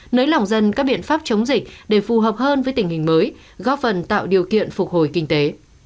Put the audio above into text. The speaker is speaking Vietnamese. nới lỏng dân các biện pháp chống dịch để phù hợp hơn với tình hình mới góp phần tạo điều kiện phục hồi kinh tế